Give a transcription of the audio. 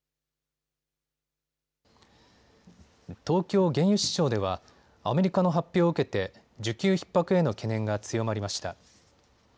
東京原油市場ではアメリカの発表を受けて需給ひっ迫への懸念が強まりました。